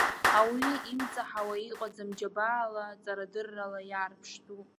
Ауаҩы имҵаҳауа иҟаӡам, џьабаала, ҵарадыррала иаарԥштәуп.